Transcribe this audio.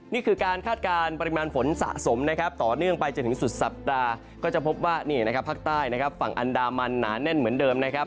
นี่คือการคาดการณ์ปริมาณฝนสะสมนะครับต่อเนื่องไปจนถึงสุดสัปดาห์ก็จะพบว่านี่นะครับภาคใต้นะครับฝั่งอันดามันหนาแน่นเหมือนเดิมนะครับ